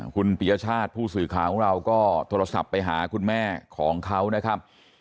คุณปียชาติผู้สื่อข่าวของเราก็โทรศัพท์ไปหาคุณแม่ของเขานะครับ